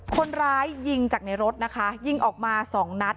คนร้ายยิงจากในรถนะคะยิงออกมาสองนัด